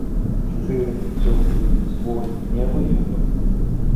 Шчыры, цёплы, свой, неабыякавы.